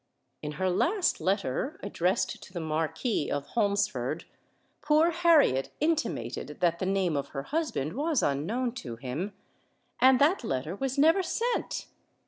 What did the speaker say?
In her last letter addressed to the Marquis of Holmesford poor Harriet intimated that the name of her husband was unknown to him—and that letter was never sent!"